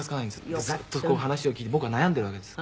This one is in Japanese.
ずっとこう話を聞いて僕は悩んでいるわけです。